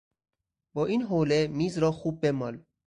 با این حوله میز را خوب بمال.